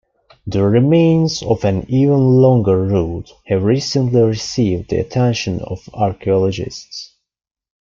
The remains of an even longer route have recently received the attention of archaeologists.